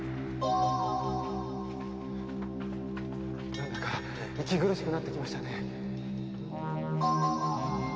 何だか息苦しくなってきましたね。